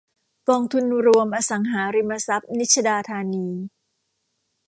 กองทุนรวมอสังหาริมทรัพย์นิชดาธานี